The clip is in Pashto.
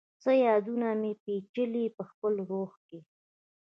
څه یادونه مي، پیچلي پخپل روح کي